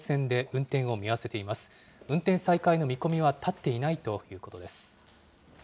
運転再開の見込みは立っていないということです。